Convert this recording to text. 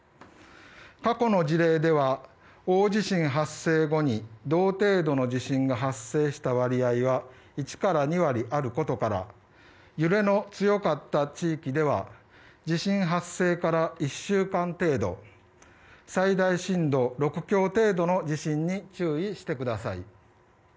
過去の事例では、大地震発生後に同程度の地震が発生した割合は１から２割あることから揺れの強かった地域では地震発生から１週間程度最大震度６強程度の地震に注意してください。